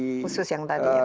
khusus yang tadi ya